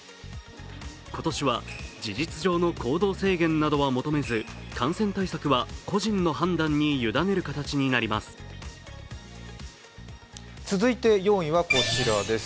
今年は事実上の行動制限などは求めず、感染対策は個人の判断に委ねる形になります。